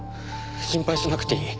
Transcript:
心配しなくていい。